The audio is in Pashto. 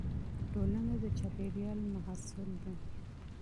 ټولنه د چاپېريال محصول ده.